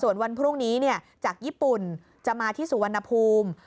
ส่วนวันพรุ่งนี้จากญี่ปุ่นจะมาที่สุวรรณภูมิ